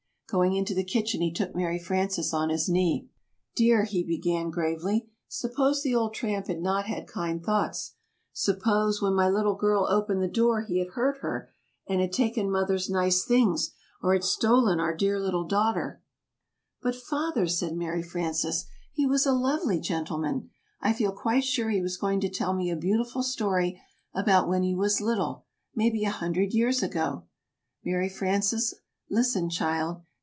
Going into the kitchen, he took Mary Frances on his knee. "Dear," he began gravely, "suppose the old tramp had not had kind thoughts. Suppose, when my little girl opened the door, he had hurt her, and had taken mother's nice things, or had stolen our dear little daughter " [Illustration: "Are you hungry yet?"] [Illustration: "Dear," he began gravely.] "But, Father," said Mary Frances, "he was a lovely gentleman! I feel quite sure he was going to tell me a beautiful story about when he was little maybe a hundred years ago " "Mary Frances, listen, child!